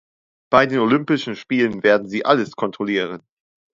Bei den Olympischen Spielen werden sie alles kontrollieren.